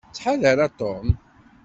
Ttḥadar a Tom.